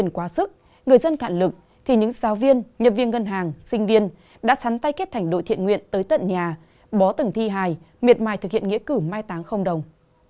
quá sức người dân cạn lực thì những giáo viên nhân viên ngân hàng sinh viên đã sắn tay kết thành đội thiện nguyện tới tận nhà bó từng thi hài miệt mài thực hiện nghĩa cử mai táng không đồng